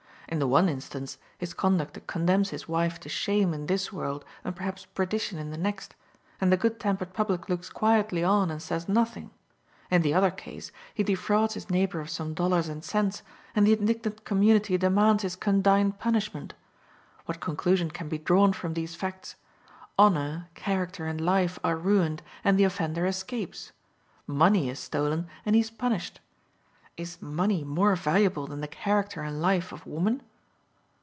In the one instance, his conduct condemns his wife to shame in this world and perhaps perdition in the next, and the good tempered public looks quietly on and says nothing. In the other case, he defrauds his neighbor of some dollars and cents, and the indignant community demands his condign punishment! What conclusion can be drawn from these facts? Honor, character, and life are ruined, and the offender escapes: money is stolen, and he is punished! Is money more valuable than the character and life of woman?